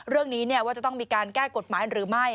เรื่องนี้ว่าจะต้องมีการแก้กฎหมายหรือไม่